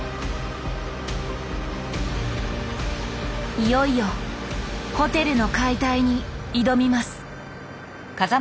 いよいよホテルの解体に挑みます。